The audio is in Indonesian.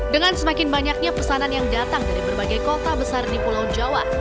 dengan semakin banyaknya pesanan yang datang dari berbagai kota besar di pulau jawa